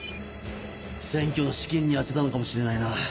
占拠の資金に充てたのかもしれないな。